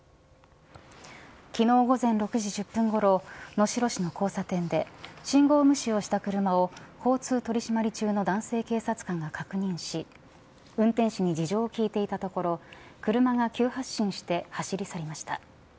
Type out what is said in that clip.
昨日、午前６時１０分ごろ能代市の交差点で信号無視をした車を交通取り締まり中の男性警察官が確認し運転手に事情を聴いていたところ車が急発進して走り去りました。